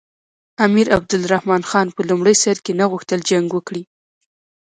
امیر عبدالرحمن خان په لومړي سر کې نه غوښتل جنګ وکړي.